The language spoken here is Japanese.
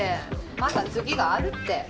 また次があるって。